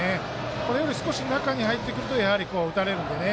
これより少し中に入ってくるとやはり打たれるんでね。